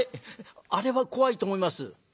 「あれは怖いと思います」。